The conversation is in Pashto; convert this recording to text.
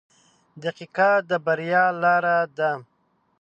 • دقیقه د بریا لار ده.